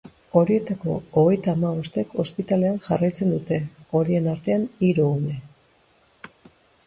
Horietako hogeita hamabostek ospitalean jarraitzen dute, horien artean hiru ume.